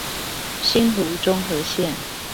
新蘆中和線